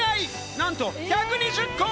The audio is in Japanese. なんと１２０個！